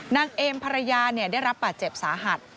นางเอมภรรยาเนี่ยได้รับปัจเจ็บสาหัส